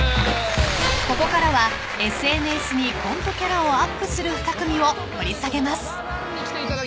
［ここからはＳＮＳにコントキャラをアップする２組を掘り下げます］